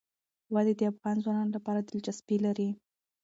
وادي د افغان ځوانانو لپاره دلچسپي لري.